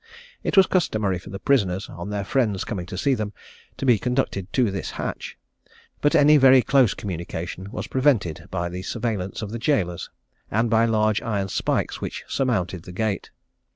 It was customary for the prisoners, on their friends coming to see them, to be conducted to this hatch; but any very close communication was prevented by the surveillance of the gaolers, and by large iron spikes which surmounted the gate.